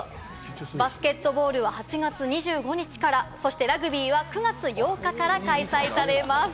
バスケットボールは８月２５日からラグビーは９月８日から開催されます。